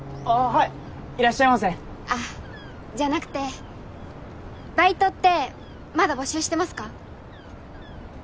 はいいらっしゃいませあっじゃなくてバイトってまだ募集してますか？